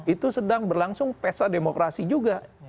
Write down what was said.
itu sedang berlangsung pesa demokrasi juga